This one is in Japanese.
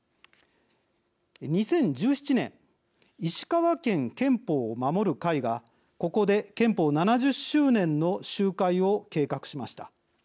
２０１７年石川県憲法を守る会がここで憲法７０周年の集会を計画しました。